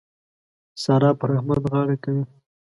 سارا پر احمد غاړه کوي.